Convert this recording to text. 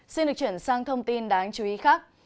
xin được chuyển sang thông tin đáng chú ý khác